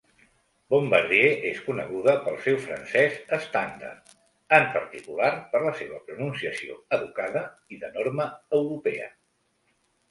Bombardier es coneguda pel seu francès estàndard, en particular per la seva pronunciació educada i de norma europea.